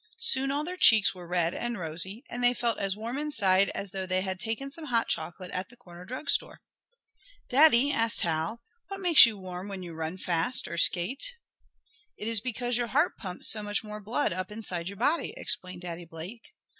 Soon all their cheeks were red and rosy, and they felt as warm inside as though they had taken some hot chocolate at the corner drug store. "Daddy," asked Hal, "what makes you warm when you run fast, or skate?" "It is because your heart pumps so much more blood up inside your body," explained Daddy Blake.